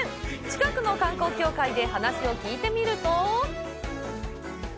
近くの観光協会で話を聞いてみると。